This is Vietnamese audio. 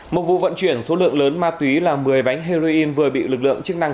một vụ vận chuyển số lượng lớn ma túy là một mươi bánh heroin vừa bị lực lượng chức năng